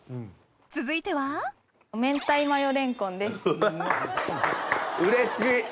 続いてはうわうれしい！